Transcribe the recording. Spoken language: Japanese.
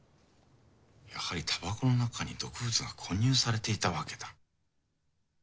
やはりタバコの中に毒物が混入されていたわけだ。